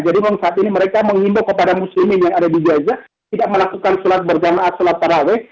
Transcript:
jadi saat ini mereka mengimbau kepada muslimin yang ada di gaza tidak melakukan sholat berjamaah sholat taraweeh